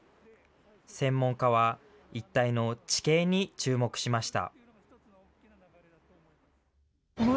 専門家は、一帯の地形に注目しました。